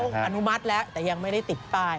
อนุมัติแล้วแต่ยังไม่ได้ติดป้าย